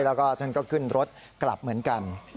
แล้วก็ท่านก็ขึ้นรถกลับเหมือนกัน